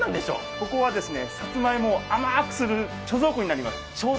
ここはさつまいもを甘くする貯蔵庫になります。